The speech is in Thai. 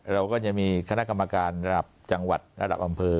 เราก็จะมีคณะกรรมการระดับจังหวัดระดับอำเภอ